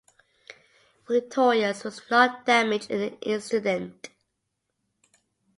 "Victorious" was not damaged in the incident.